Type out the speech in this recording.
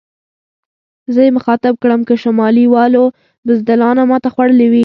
زه یې مخاطب کړم: که شمالي والو بزدلانو ماته خوړلې وي.